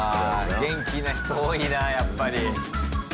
元気な人多いなやっぱり。